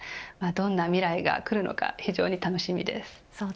どんな未来がくるのか非常に楽しみです。